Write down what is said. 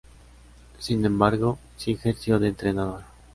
Sin embargo, si ejerció de entrenador.